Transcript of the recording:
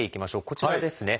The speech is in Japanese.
こちらですね。